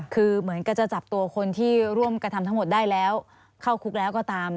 คือเหมือนกันจะจับตัวคนที่ร่วมกระทำทั้งหมดได้แล้วเข้าคุกแล้วก็ตาม